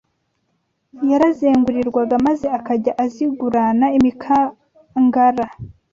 yarazegurirwaga, maze akajya azigurana imikangara